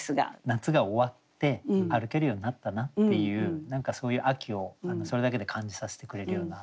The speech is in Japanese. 夏が終わって歩けるようになったなっていう何かそういう秋をそれだけで感じさせてくれるような句ですね。